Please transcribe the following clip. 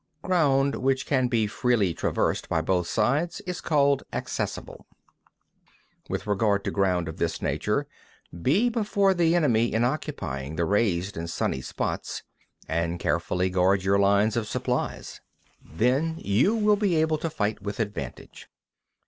2. Ground which can be freely traversed by both sides is called accessible. 3. With regard to ground of this nature, be before the enemy in occupying the raised and sunny spots, and carefully guard your line of supplies. Then you will be able to fight with advantage.